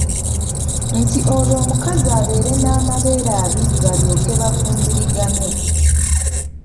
Nti olwo omukazi abeere n'amabeere abiri balyoke bafumbiriganwe.